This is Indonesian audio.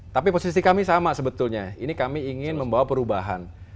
tapi posisi kami sama sebetulnya ini kami ingin membawa perubahan